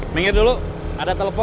minggir dulu ada telepon